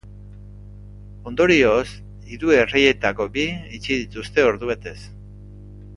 Ondorioz, hiru erreietako bi itxi dituzte ordubetez.